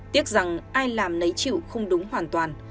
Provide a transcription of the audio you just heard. tiếc rằng ai làm lấy chịu không đúng hoàn toàn